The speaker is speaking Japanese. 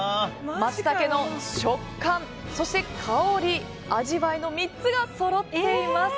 マツタケの食感、そして香り味わいの３つがそろっています。